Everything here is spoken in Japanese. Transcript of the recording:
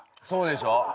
そうでしょう？